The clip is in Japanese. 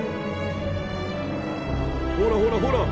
ほらほらほら！